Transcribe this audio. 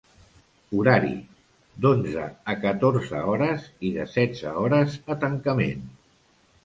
Horari: d’onze a catorze h i de setze h a tancament.